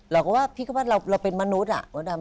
เราก็ว่าพี่ก็ว่าเราเป็นมนุษย์อ่ะมดดำ